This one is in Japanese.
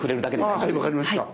あはい分かりました。